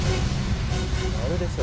あるでしょ。